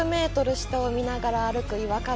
下を見ながら歩く岩壁。